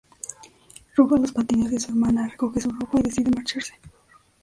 Roba los patines de su hermana, recoge su ropa y decide marcharse.